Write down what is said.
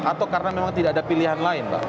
atau karena memang tidak ada pilihan lain pak